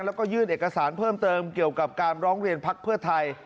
แล้วก็ยื่นเอกสารเพิ่มเติมเกี่ยวกับการร้องเรียนพักเพื่อไทย